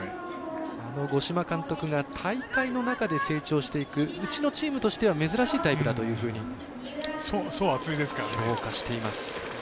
あの五島監督が大会の中で成長していくうちのチームとしては珍しいタイプだというふうに評価しています。